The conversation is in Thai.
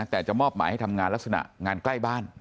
แต่จะมอบหมายให้ทำงานลักษณะงานใกล้บ้าน